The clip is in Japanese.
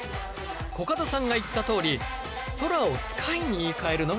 コカドさんが言ったとおりソラをスカイに言いかえるのがポイント！